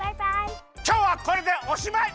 きょうはこれでおしまい！